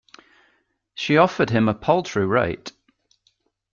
She offered him a paltry rate.